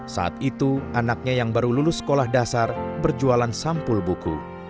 saat itu anaknya yang baru lulus sekolah dasar berjualan sampul buku